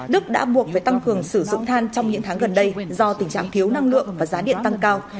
đức đã buộc phải tăng cường sử dụng than trong những tháng gần đây do tình trạng thiếu năng lượng và giá điện tăng cao